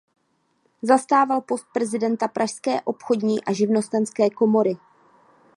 Zastával post viceprezidenta pražské obchodní a živnostenské komory.